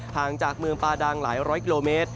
ห่างจากเมืองปาดังหลายร้อยกิโลเมตร